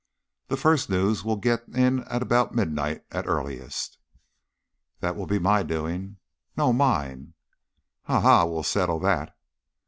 "The first news will get in at about midnight at earliest." "That will be my doing." "No, mine." "Ha, ha! we'll settle that."